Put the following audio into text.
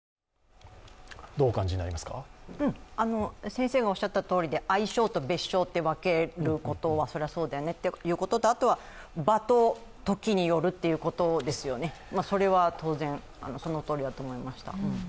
先生がおっしゃったとおりで愛称と別称と分けることはそれはそうだよねということと、あとは罵倒、時によるということですよね、それは当然そのとおりだと思いました。